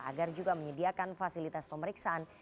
agar juga menyediakan fasilitas pemeriksaan